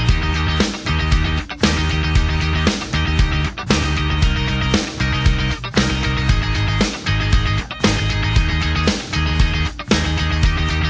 มันจะเป็นแบบนี้เลยครับอ่ามันจะเป็นแบบนี้เลยครับ